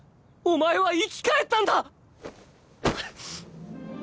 お前は生き返ったんだ！